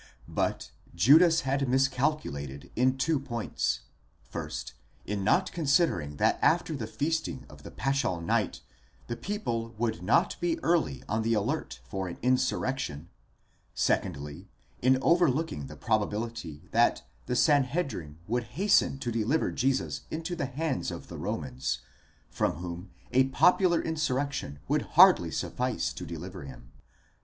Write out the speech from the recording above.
But Judas had miscalculated in two points: first, in not considering that after the feasting of the paschal night, the people would not be early on the alert for an insurrection ; secondly, in overlooking the probability, that the Sanhedrim would hasten to deliver Jesus into the hands of the Romans, from whom a popular insurrection would hardly suffice to deliver him.